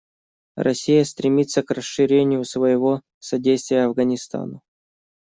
Россия стремится к расширению своего содействия Афганистану.